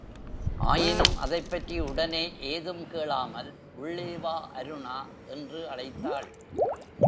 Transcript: ஆயினும் அதைப் பற்றி உடனே ஏதும் கேளாமல், உள்ளே வா அருணா, என்று அழைத்தாள்.